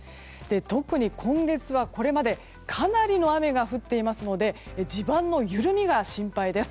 特に、今月はこれまでかなりの雨が降っていますので地盤の緩みが心配です。